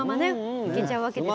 いけちゃうわけですね。